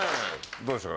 どうでしたか？